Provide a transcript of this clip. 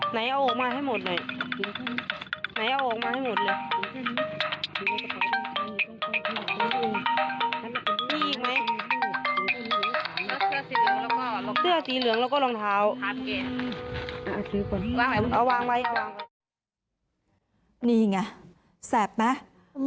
เอาวางไหมนี่ไงแสบไหม